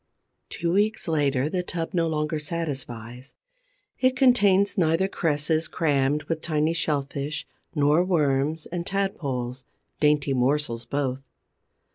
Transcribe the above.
Two weeks later, the tub no longer satisfies. It contains neither cresses crammed with tiny Shellfish nor Worms and Tadpoles, dainty morsels both.